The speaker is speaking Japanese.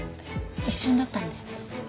一瞬だったんで。